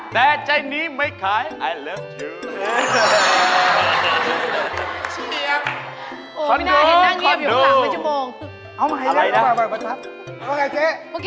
แต่ใจนี้ไม่ขายไอเลิฟถือ